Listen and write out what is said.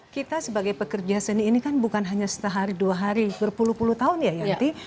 kita sebagai pekerja seni ini kan bukan hanya sehari dua hari berpuluh puluh tahun ya yanti